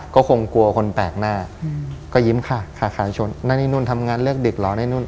ก็คงกลัวคนแปลกหน้าก็ยิ้มค่ะค่ะชนนั่นนี่นู่นทำงานเลือกเด็กเหรอนี่นู่น